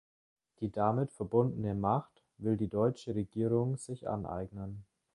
Die damit verbundene Macht will die deutsche Regierung sich aneignen.